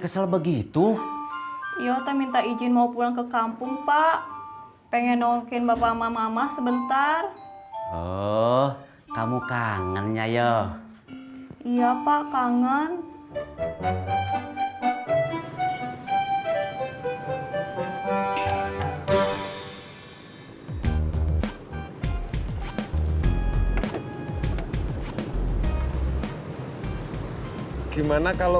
sampai jumpa di video selanjutnya